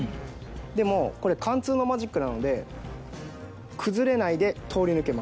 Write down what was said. でもこれ貫通のマジックなので崩れないで通り抜けます。